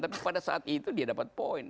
tapi pada saat itu dia dapat poin